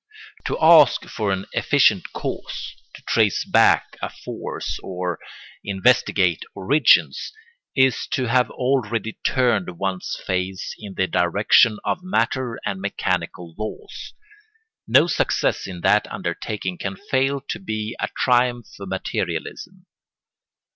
To ask for an efficient cause, to trace back a force or investigate origins, is to have already turned one's face in the direction of matter and mechanical laws: no success in that undertaking can fail to be a triumph for materialism.